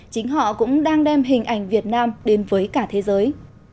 chính họ cũng đang đem hình ảnh việt nam đến với cả thế giới